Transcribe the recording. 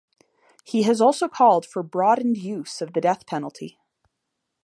He has also called for "broadened use" of the death penalty.